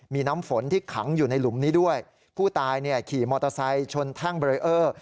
มีน้ำฝนที่ขังอยู่ในหลุมนี้ด้วยผู้ตายเนี่ยขี่มอเตอร์ไซค์ชนแท่งเบรเออร์